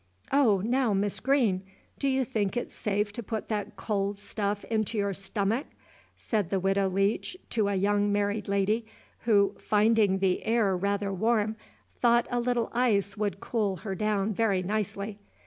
"Oh, now, Miss Green! do you think it's safe to put that cold stuff into your stomick?" said the Widow Leech to a young married lady, who, finding the air rather warm, thought a little ice would cool her down very nicely.